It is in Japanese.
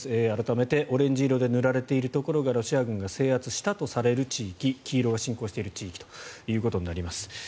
改めて、オレンジ色で塗られているところがロシア軍が制圧したとされる地域黄色が侵攻している地域ということになります。